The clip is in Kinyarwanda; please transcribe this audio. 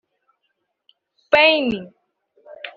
Spain)